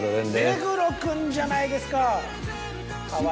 目黒君じゃないですか！